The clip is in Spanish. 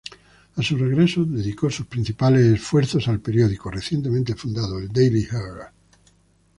A su regreso, dedicó sus principales esfuerzos al periódico recientemente fundado, el Daily Herald.